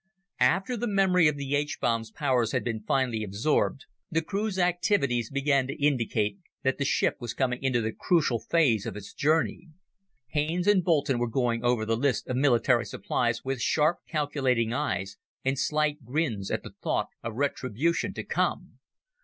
After the memory of the H bomb's powers had been finally absorbed, the crew's activities began to indicate that the ship was coming into the crucial phase of its journey. Haines and Boulton were going over the list of military supplies with sharp, calculating eyes and slight grins at the thought of retribution to come.